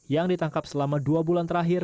yang ditangkap selama dua bulan terakhir